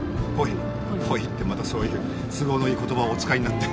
「っぽい」ってまたそういう都合のいい言葉をお使いになって。